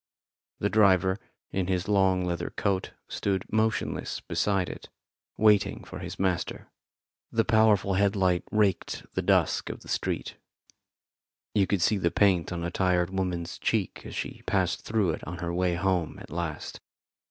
The driver, in his long leather coat, stood motionless beside it, waiting for his master. The powerful headlight raked the dusk of the street; you could see the paint on a tired woman's cheek as she passed through it on her way home at last.